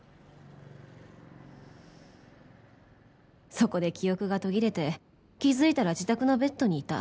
そこで記憶が途切れて気づいたら自宅のベッドにいた